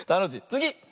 つぎ！